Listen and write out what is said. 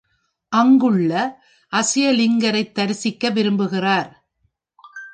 அங்குள்ள அக்ஷயலிங்கரைத் தரிசிக்க விரும்புகிறார்.